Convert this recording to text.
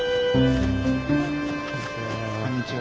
こんにちは。